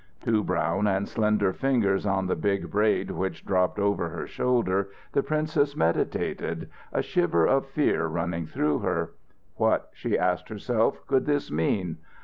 Two brown and slender fingers on the big braid which dropped over her shoulder, the princess meditated, a shiver of fear running through her. What, she asked herself, could this mean?